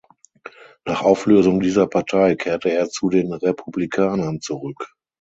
Nach Auflösung dieser Partei kehrte er zu den Republikanern zurück.